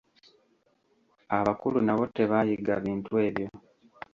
Abakulu nabo tebaayiga bintu ebyo.